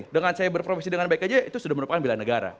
dengan saya berprofesi dengan baik aja itu sudah merupakan bela negara